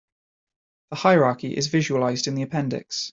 The hierarchy is visualized in the appendix.